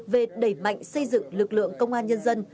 về đẩy mạnh xây dựng lực lượng công an nhân dân